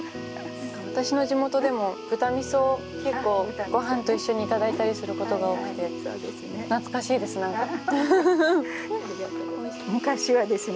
私の地元でも豚味噌を結構ご飯と一緒にいただいたりすることが多くて懐かしいです何か昔はですね